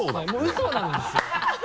ウソなんですよ。